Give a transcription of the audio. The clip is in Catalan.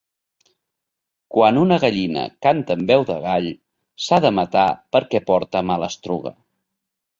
Quan una gallina canta amb veu de gall, s'ha de matar perquè porta malastruga.